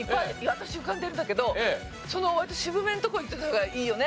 私浮かんでるんだけど割と渋めのとこいった方がいいよね？